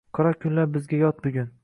Qora kunlar bizga yot bugun;